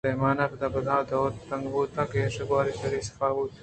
دمانے ءَ پد بزیں دوت تنک تر بوت اَنت ءُکش ءُگوٛر شری ءَ صفا بوت